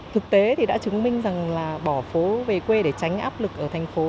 thực tế thì đã chứng minh rằng là bỏ phố về quê để tránh áp lực ở thành phố